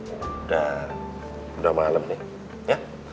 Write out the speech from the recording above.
udah malem nih